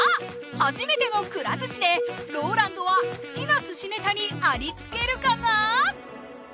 初めてのくら寿司でローランドは好きな寿司ネタにありつけるかな？